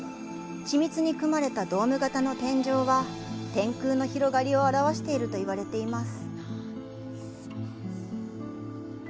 緻密に組まれたドーム型の天井は、天空の広がりを表わしているといわれています